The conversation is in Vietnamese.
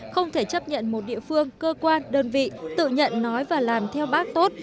không thể chấp nhận một địa phương cơ quan đơn vị tự nhận nói và làm theo bác tốt